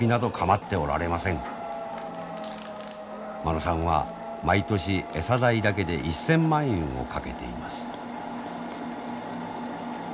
間野さんは毎年餌代だけで１，０００万円をかけています。